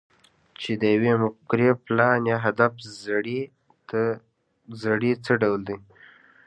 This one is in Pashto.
چې د يوې مفکورې، پلان، يا هدف زړی څه ډول دی؟